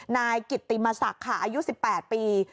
นายกิตติมศักดิ์ค่ะอายุ๑๘ปี